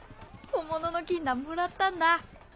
本物の金だもらったんだ。